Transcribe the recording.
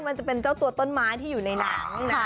มันจะเป็นเจ้าตัวต้นไม้ที่อยู่ในหนังนะคะ